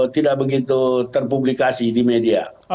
tidak begitu terpublikasi di media